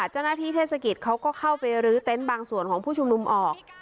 เจ้าหน้าที่เทศกิจเขาก็เข้าไปรื้อเต็นต์บางส่วนของผู้ชุมนุมออก